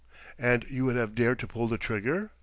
"And you would have dared to pull the trigger?"